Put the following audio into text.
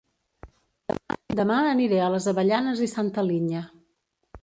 Dema aniré a Les Avellanes i Santa Linya